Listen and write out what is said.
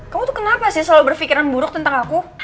kamu tuh kenapa sih selalu berpikiran buruk tentang aku